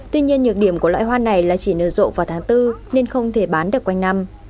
tuy nhiên nhược điểm của loại hoa này là chỉ nở rộ vào tháng bốn nên không thể bán được quanh năm